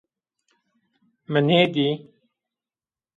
Mi nêdî.